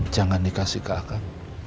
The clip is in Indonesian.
jangan dikasih ke akang